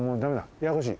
ややこしい。